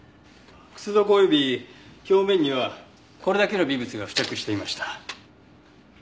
靴底及び表面にはこれだけの微物が付着していました。